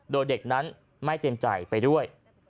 โดยเด็กนั้นไม่เต็มใจไปด้วย